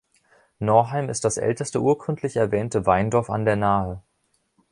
Norheim ist das älteste urkundlich erwähnte Weindorf an der Nahe.